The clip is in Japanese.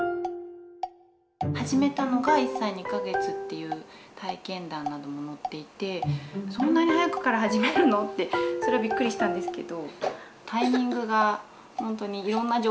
始めたのが１歳２か月っていう体験談なども載っていてそんなに早くから始めるの？ってそれはびっくりしたんですけど。